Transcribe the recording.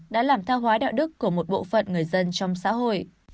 đã làm tha hóa đạo đức của một bộ phận người dân trong xã hội